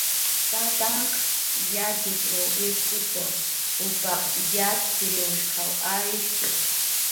Tantanhq yatxutruw irpkutu, upaq yatxchirinhshqaw arisht'ki